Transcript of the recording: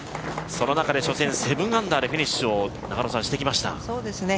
その中で、初戦、７アンダーでフィニッシュしてきました。